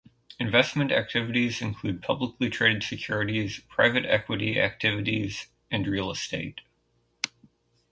Investment activities include publicly traded securities, private equity activities, and real estate.